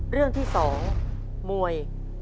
เรื่องที่๒มวย